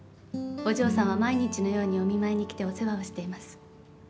お嬢さんは毎日のようにお見舞いに来てお世話をしています。